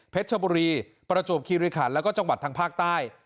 ชบุรีประจวบคิริขันแล้วก็จังหวัดทางภาคใต้